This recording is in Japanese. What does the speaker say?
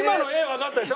わかったでしょ？